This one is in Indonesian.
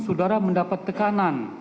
saudara mendapat tekanan